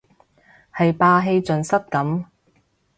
係霸氣盡失咁